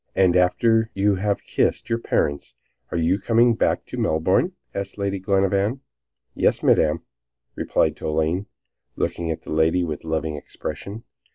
"And after you have kissed your parents, are you coming back to Melbourne?" asked Lady Glenarvan. "Yes, Madam," replied Toline, looking at the lady with a loving expression.